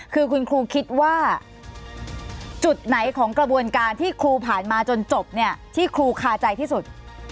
คือคุณครูคิดว่าจุดไหนของกระบวนการที่ครูผ่านมาจนจบเนี่ยที่ครูคาใจที่สุด